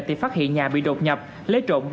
thì phát hiện nhà bị đột nhập lấy trộm